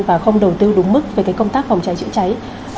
và không đầu tư đúng mức về công tác phòng cháy chữa cháy